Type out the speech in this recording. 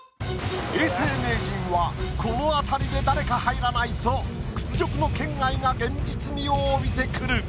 永世名人はこのあたりで誰か入らないと屈辱の圏外が現実味を帯びてくる。